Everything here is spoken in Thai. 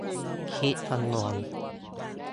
คิดคำนวณ